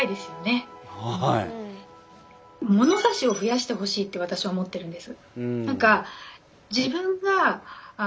ものさしを増やしてほしいって私は思ってるんです。